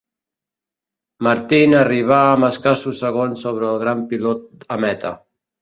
Martin arribà amb escassos segons sobre el gran pilot a meta.